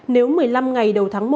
nếu một mươi năm ngày đầu tháng một